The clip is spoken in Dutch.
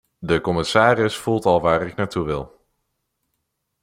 De commissaris voelt al waar ik naartoe wil.